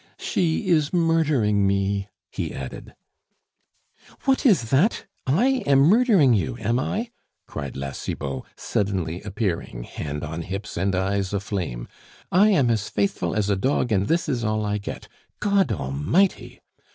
"She is murdering me," he added. "What is that? I am murdering you, am I?" cried La Cibot, suddenly appearing, hand on hips and eyes aflame. "I am as faithful as a dog, and this is all I get! God Almighty!